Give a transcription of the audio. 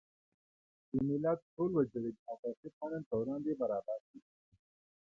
د ملت ټول وګړي د اساسي قانون په وړاندې برابر دي.